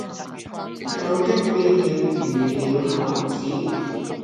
有的變了魚鳥猴子，